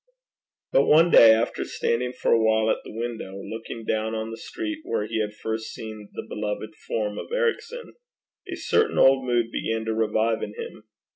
But one day, after standing for a while at the window, looking down on the street where he had first seen the beloved form of Ericson, a certain old mood began to revive in him.